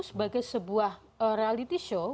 sebagai sebuah reality show